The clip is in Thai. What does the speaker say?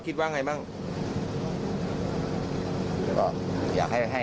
ก็ได้พลังเท่าไหร่ครับ